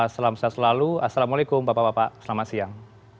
selamat siang selalu assalamualaikum bapak bapak selamat siang